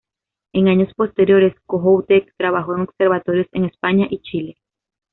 En años posteriores Kohoutek trabajó en observatorios en España y Chile.